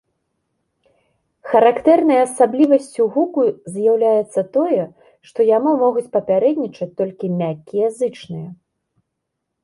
Характэрнай асаблівасцю гуку з'яўляецца тое, што яму могуць папярэднічаць толькі мяккія зычныя.